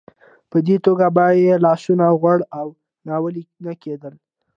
په دې توګه به یې لاسونه غوړ او ناولې نه کېدل.